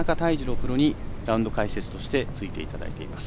プロにラウンド解説としてついていただいています。